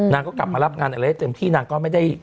ก็กลับมารับงานอะไรได้เต็มที่นางก็ไม่ได้